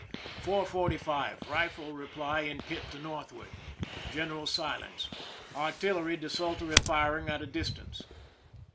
4 :45, 274 PRISON LIFE THE SIEGE rifle reply in pit to northward. General silence. Artil lery desultory firing at a distance.